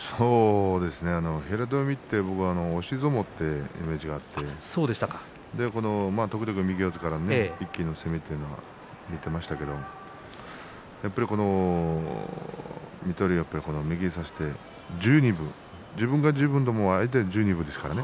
平戸海は押し相撲というイメージがあって時々右四つからの一気の攻めというのが出ましたけれどもやっぱり水戸龍は右を差して自分が十分でも相手が十二分ですからね。